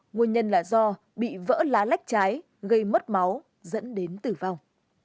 nguyên nhân là do bị vỡ lá lách trái gây mất máu dẫn đến tử vong